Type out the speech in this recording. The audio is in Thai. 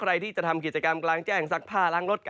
ใครที่จะทำกิจกรรมกลางแจ้งซักผ้าล้างรถ